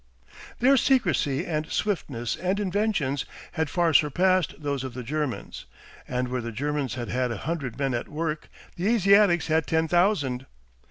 Their secrecy and swiftness and inventions had far surpassed those of the Germans, and where the Germans had had a hundred men at work the Asiatics had ten thousand.